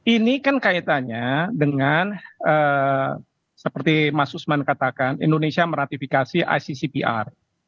ini kan kaitannya dengan seperti mas usman katakan indonesia meratifikasi iccpr